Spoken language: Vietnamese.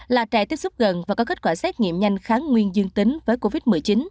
là trẻ tiếp xúc gần và có kết quả xét nghiệm nhanh kháng nguyên dương tính với covid một mươi chín